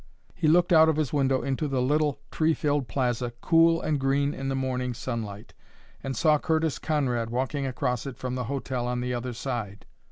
He looked out of his window into the little tree filled plaza, cool and green in the morning sunlight, and saw Curtis Conrad walking across it from the hotel on the other side.